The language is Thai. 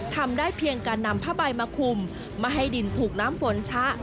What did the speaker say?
ทำได้เพียงการนำผ้าใบมาคุมไม่ให้ดินถูกน้ำฝนชะ